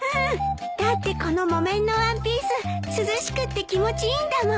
だってこの木綿のワンピース涼しくって気持ちいいんだもん。